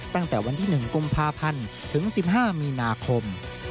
ตั้งแต่วันที่๑กุมภาพันธ์ถึง๑๕มีนาคม